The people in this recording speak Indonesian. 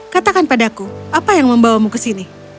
katakan padaku apa yang membawamu ke sini